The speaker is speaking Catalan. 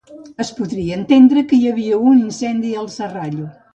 Es podria entendre que hi havia un incendi al Serrallo.